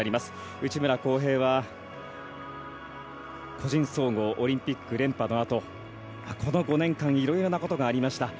内村航平は個人総合オリンピック連覇のあとこの５年間いろいろなことがありました。